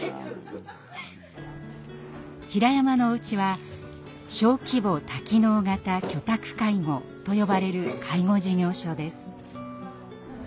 ひらやまのお家は小規模多機能型居宅介護と呼ばれる介護事業所です。